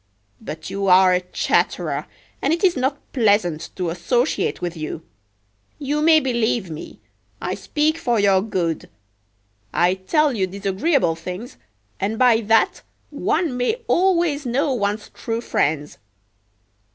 But you are a chatterer, and it is not pleasant to associate with you. You may believe me, I speak for your good. I tell you disagreeable things, and by that one may always know one's true friends!